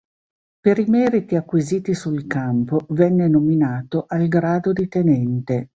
Per i meriti acquisiti sul campo venne nominato al grado di tenente.